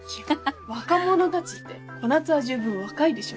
「若者たち」って小夏は十分若いでしょ。